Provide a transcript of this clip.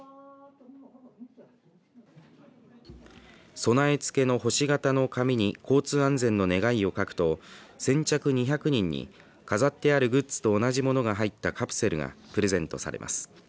備え付けの星形の紙に交通安全の願いを書くと先着２００人に飾ってあるグッズと同じものが入ったカプセルがプレゼントされます。